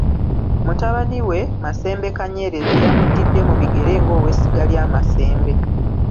Mutabani we, Masembe Kanyerezi y'amudidde mu bigere ng'owessiga lya Masembe.